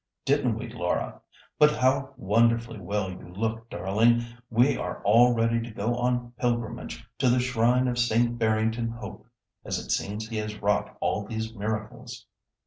Didn't we, Laura? But how wonderfully well you look, darling! We are all ready to go on pilgrimage to the shrine of St. Barrington Hope, as it seems he has wrought all these miracles."